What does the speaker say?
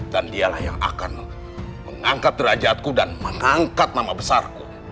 dan dialah yang akan mengangkat derajatku dan mengangkat nama besarku